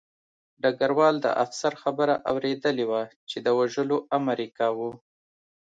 ډګروال د افسر خبره اورېدلې وه چې د وژلو امر یې کاوه